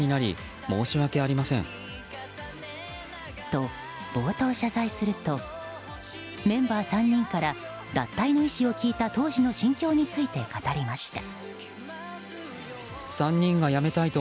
と、冒頭謝罪するとメンバー３人から脱退の意思を聞いた当時の心境について語りました。